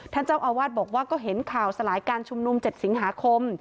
ท่านเจ้าอาวาสบอกว่าก็เห็นข่าวสลายการชุมนุม๗สิงหาคม